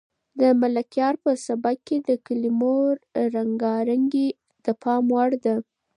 د ملکیار په سبک کې د کلمو رنګارنګي د پام وړ ده.